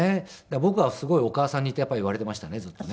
僕はすごいお母さん似って言われていましたねずっとね。